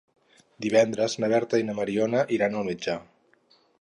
Divendres na Berta i na Mariona iran al metge.